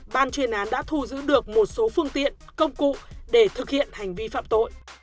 ban chuyên án đã thu giữ được một số phương tiện công cụ để thực hiện hành vi phạm tội